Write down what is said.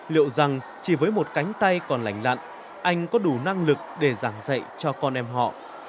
liệu rằng chỉ với một cánh tay còn lành lặn anh có đủ năng lực để giảng dạy cho con em họ